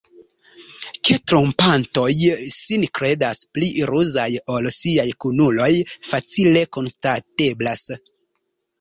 Ke trompantoj sin kredas pli ruzaj ol siaj kunuloj, facile konstateblas.